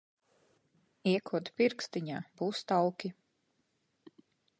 Iekod pirkstiņā, būs tauki.